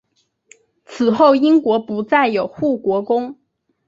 此后英国不再有护国公。